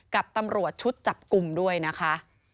กับตำรวจชุดจับกลุ่มด้วยนะคะ